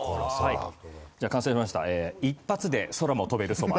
完成しました一発で空も飛べるそば。